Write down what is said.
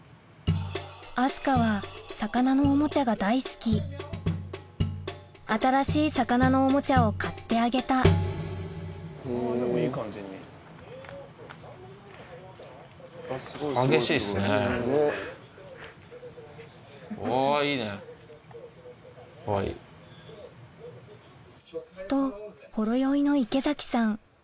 明日香は魚のおもちゃが大好き新しい魚のおもちゃを買ってあげたうわいいね。とほろ酔いの池崎さん